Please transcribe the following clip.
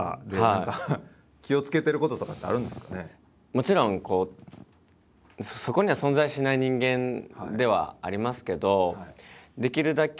もちろんこうそこには存在しない人間ではありますけどできるだけ